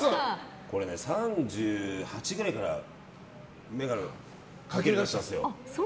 これ、３８ぐらいから眼鏡をかけ出したんですよ。